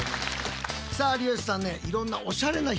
さあ有吉さん